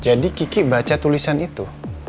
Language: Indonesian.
jadi kiki baca tulisan itu